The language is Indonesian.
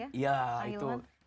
ya itu kekuatan memberikan hatiku